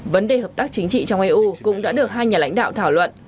vấn đề hợp tác chính trị trong eu cũng đã được hai nhà lãnh đạo thảo luận